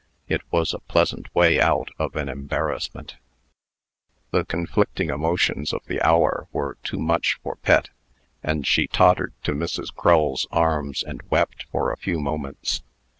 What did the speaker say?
It was a pleasant way out of an embarrassment. The conflicting emotions of the hour were too much for Pet; and she tottered to Mrs. Crull's arms, and wept for a few moments.